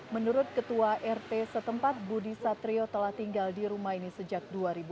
menurut ketua rt setempat budi satrio telah tinggal di rumah ini sejak dua ribu empat